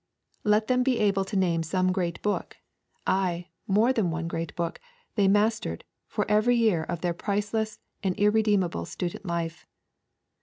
Let them be able to name some great book, ay, more than one great book, they mastered, for every year of their priceless and irredeemable student life.